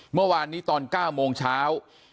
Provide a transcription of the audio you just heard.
เมื่อวานนี้ตอน๙โมงเช้า